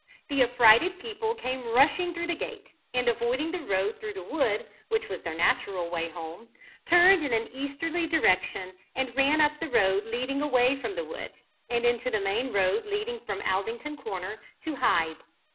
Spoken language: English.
The affrighted people came rushing through the gate, and, avoiding the road through the wood, which was their natural way home, turned in an easterly direction, and ran up the road leading away from the woods, and into the main road leading from Aldington Corner to Hythe.